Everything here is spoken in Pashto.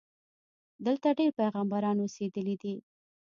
دلته ډېر پیغمبران اوسېدلي دي.